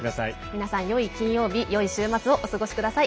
皆さん、よい金曜日よい週末をお過ごしください。